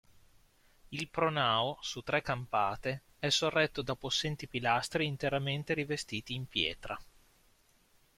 Il pronao, su tre campate, è sorretto da possenti pilastri interamente rivestiti in pietra.